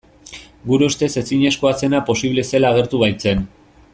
Gure ustez ezinezkoa zena posible zela agertu baitzen.